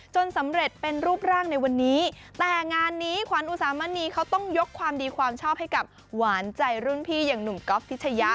สำเร็จเป็นรูปร่างในวันนี้แต่งานนี้ขวัญอุสามณีเขาต้องยกความดีความชอบให้กับหวานใจรุ่นพี่อย่างหนุ่มก๊อฟพิชยะ